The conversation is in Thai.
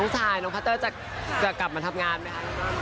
ชายน้องพัตเตอร์จะกลับมาทำงานไหมคะ